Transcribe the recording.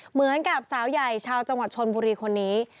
เหมือนกับสาวใหญ่ชาวจังหวัดชนบุรีคนนี้